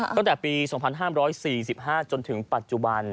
ตั้งแต่ปี๒๕๔๕จนถึงปัจจุบัน